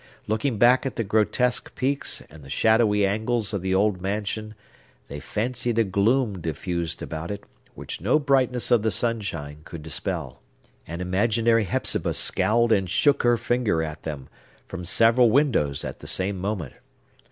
Looking back at the grotesque peaks and shadowy angles of the old mansion, they fancied a gloom diffused about it which no brightness of the sunshine could dispel. An imaginary Hepzibah scowled and shook her finger at them, from several windows at the same moment.